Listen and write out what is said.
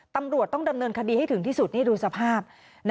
ตำรวจต้องดำเนินคดีให้ถึงที่สุดนี่ดูสภาพ